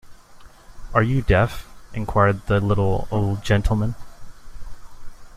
‘Are you deaf?’ inquired the little old gentleman.